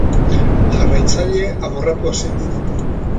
Jarraitzaile amorratua zen.